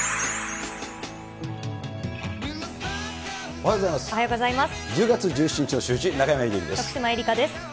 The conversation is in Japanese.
おはようございます。